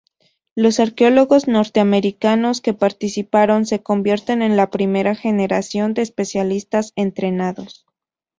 Los arqueólogos norteamericanos que participaron se convierten en la primera generación de especialistas entrenados.